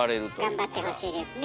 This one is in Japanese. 頑張ってほしいですね。